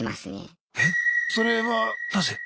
えっそれはなぜ？